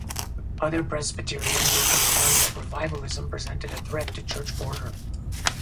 Other Presbyterians were concerned that revivalism presented a threat to church order.